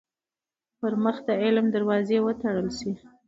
پـر مـخ د عـلم دروازې وتـړل شي.